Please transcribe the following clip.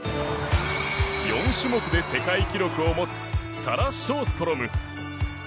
４種目で世界記録を持つサラ・ショーストロム。